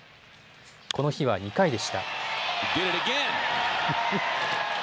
この日は２回でした。